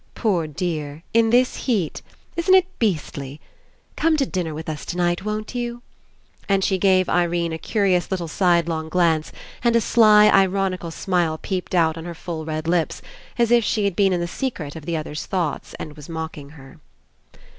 Poor dear! in this heat. Isn't it beastly? Come to dinner with us tonight, won't you?" And she gave Irene a cu rious little sidelong glance and a sly, ironical smile peeped out on her full red lips, as if she had been in the secret of the other's thoughts , and was mocking her.